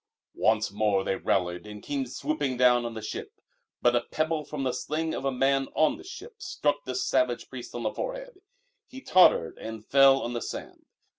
Once more they rallied and came swooping down on the ship. But a pebble from the sling of a man on the ship struck the savage priest on the forehead; he tottered and fell on the sand.